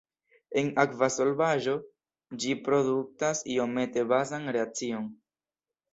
En akva solvaĵo ĝi produktas iomete bazan reakcion.